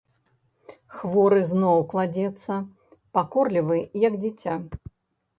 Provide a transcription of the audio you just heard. Хворы зноў кладзецца, пакорлівы, як дзіця.